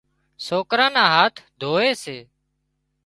سوڪران نا هاٿ ڌووي سي